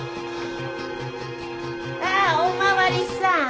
ああお巡りさん